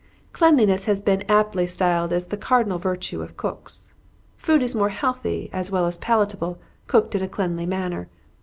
_ Cleanliness has been aptly styled the cardinal virtue of cooks. Food is more healthy, as well as palatable, cooked in a cleanly manner.